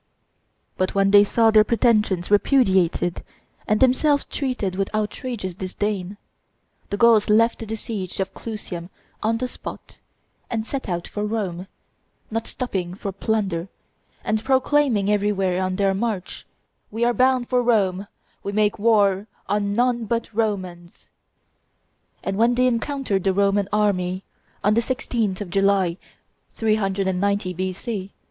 But when they saw their pretensions repudiated and themselves treated with outrageous disdain, the Gauls left the siege of Clusium on the spot, and set out for Rome, not stopping for plunder, and proclaiming everywhere on their march, "We are bound for Rome; we make war on none but Romans;" and when they encountered the Roman army, on the 16th of duly, 390 B.C.